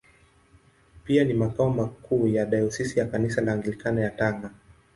Pia ni makao makuu ya Dayosisi ya Kanisa la Anglikana ya Tanga.